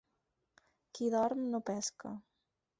Qui dorm no pesca.